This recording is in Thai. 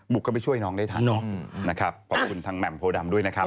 บุ๊คก็ไปช่วยน้องได้ทันขอบคุณทางแหม่งโพรดรรมด้วยนะครับ